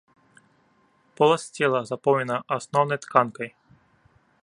Поласць цела запоўнена асноўнай тканкай.